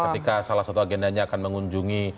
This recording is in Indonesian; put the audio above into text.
ketika salah satu agendanya akan mengunjungi